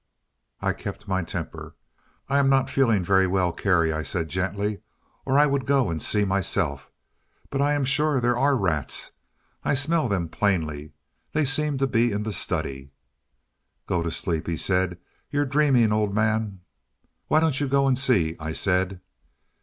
I kept my temper. "I am not feeling very well, Kerry," I said gently, "or I would go and see myself. But I am sure there are rats; I smell them plainly; they seem to be in the study." "Go to sleep," he said; "you're dreaming, old man." "Why don't you go and see?" I said.